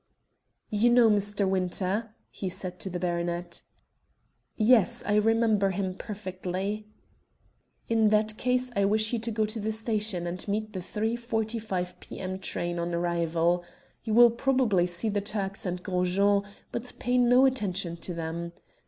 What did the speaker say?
"You know Mr. Winter?" he said to the baronet. "Yes, I remember him perfectly." "In that case I wish you to go to the station and meet the 3.45 p.m. train on arrival. You will probably see the Turks and Gros Jean, but pay no attention to them.